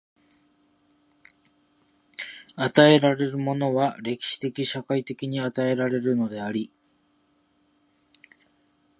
与えられるものは歴史的・社会的に与えられるのであり、